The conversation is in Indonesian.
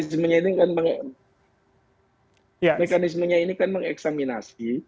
jadi mekanismenya ini kan mengeksaminasi